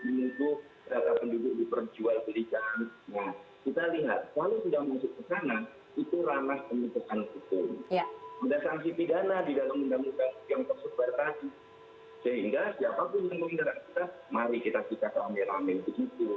sehingga siapapun yang melindar kita mari kita kita ke amin amin begitu